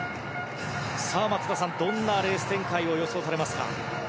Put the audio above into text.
松田さん、どんなレース展開を予想されますか？